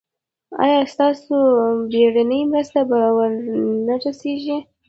ایا ستاسو بیړنۍ مرسته به ور نه رسیږي؟